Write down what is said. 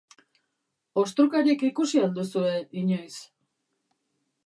Ostrukarik ikusi al duzue, inoiz?